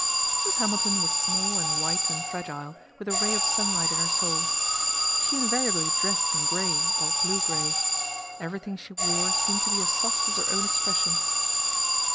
Mrs. Hamilton was small and white and fragile, with a ray of sunlight in her soul. She invariably dressed in grey, or blue grey. Everything she wore seemed to be as soft as her own expression.